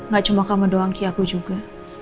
gak cuma kamu doang kiki aku juga